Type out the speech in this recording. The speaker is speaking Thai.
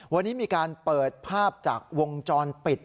วันนี้มีการเปิดภาพจากวงจรปิด